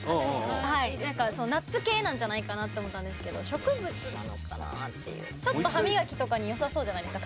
はいナッツ系なんじゃないかなって思ったんですけど植物なのかなっていうちょっと歯磨きとかによさそうじゃないですか